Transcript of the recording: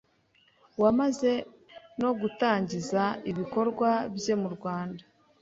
uwamaze no gutangiza ibikorwa bye mu Rwanda.